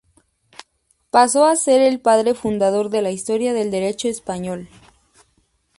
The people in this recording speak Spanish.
Pasó a ser el padre fundador de la Historia del derecho español.